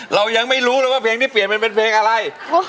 เรายังไม่รู้เลยว่าเพลงที่เปลี่ยนมันเป็นเพลงอะไร